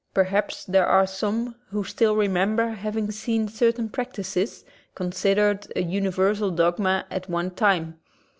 Perhaps there are some w^ho still remember having seen cer tain practices, considered a universal dogma at one time.